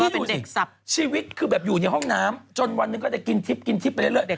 ที่อยู่สิชีวิตคืออยู่ในห้องน้ำจนวันนึงก็ได้กินทิปไปเรื่อย